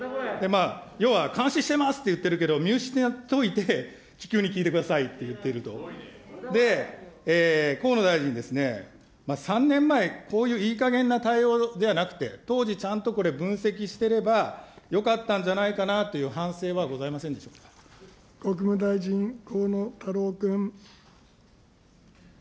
要は監視してますって言ってるけど、見失っといて、気球に聞いてくださいって言ってると、河野大臣ですね、３年前、こういういいかげんな対応ではなくて、当時ちゃんとこれ、分析してればよかったんじゃないかなという反省はございませんで国務大臣、河野太郎君。